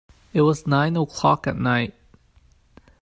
It was nine o'clock at night.